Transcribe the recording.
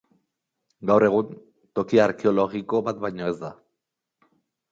Gaur egun, toki arkeologiko bat baino ez da.